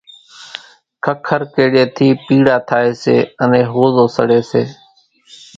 ککر ڪيڙيئيَ ٿِي پيڙا ٿائيَ سي انين ۿوزو سڙيَ سي۔